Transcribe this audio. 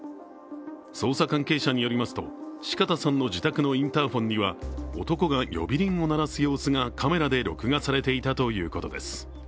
捜査関係者によりますと四方さんの自宅のインターフォンには男が呼び鈴を鳴らす様子がカメラで録画されていたということです。